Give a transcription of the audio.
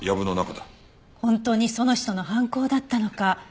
本当にその人の犯行だったのか？